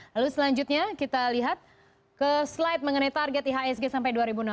lalu selanjutnya kita lihat ke slide mengenai target ihsg sampai dua ribu enam belas